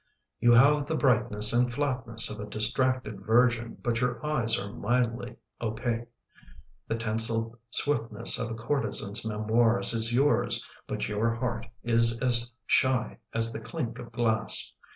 " You have the brightness and flatness of a distracted virgin but your eyes are mildly opaque. The tinseled swiftness of a courtesan's memoirs is yours but your heart is as shy as the clink of glass.